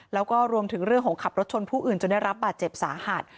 แล้วก็รวมถึงเรื่องของขับรถชนผู้อื่นจนได้รับบาดเจ็บสาหัส